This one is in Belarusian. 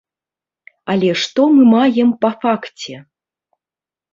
Але што мы маем па факце?